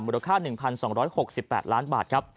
มรูค่า๑๒๖๘ล้านบาท